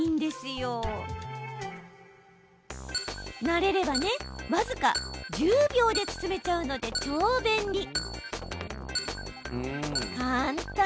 慣れれば、僅か１０秒で包めちゃうので、超便利。